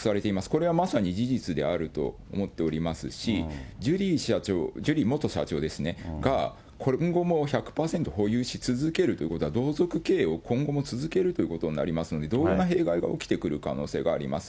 これはまさに事実であると思っておりますし、ジュリー社長、ジュリー元社長ですね、今後も１００％保有し続けるということは、同族経営を今後も続けるということになりますので、いろんな弊害が起きてくる可能性があります。